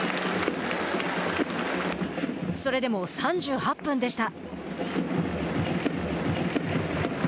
それでも３８分でした。